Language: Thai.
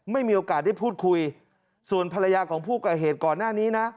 ไม่มีโอกาสได้พูดคุยส่วนภรรยาของผู้ก่อเหตุก่อนหน้านี้นะ